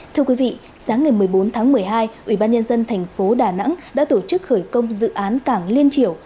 thưa quý vị sáng ngày một mươi bốn tháng một mươi hai ủy ban nhân dân thành phố đà nẵng đã tổ chức khởi công dự án cảng liên chiểu